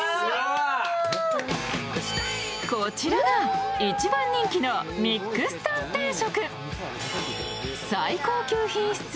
こちらが一番人気のＭＩＸタン定食。